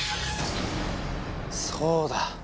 そうだ！